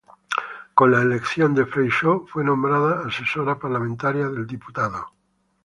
Con la elección de Freixo, fue nombrada asesora parlamentaria del diputado.